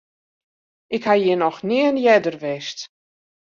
Ik ha hjir noch nea earder west.